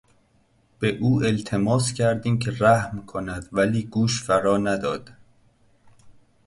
به او التماس کردیم که رحم کند ولی گوش فرا نداد.